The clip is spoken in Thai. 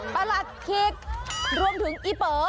ประหลัดขิกรวมถึงอีเป๋อ